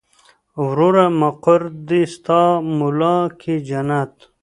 وروره مقر دې ستا مولا کې جنت.